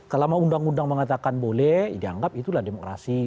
kelama undang undang mengatakan boleh dianggap itulah demokrasi